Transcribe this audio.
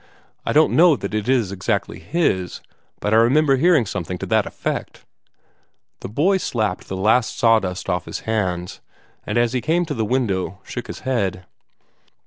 I don't know that it is exactly his; but I remember hearing something to that effect." The boy slapped the last litter off his hands, and, as he came to the window, shook his head.